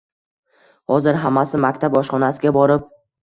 Hozir hammasi maktab oshxonasiga borib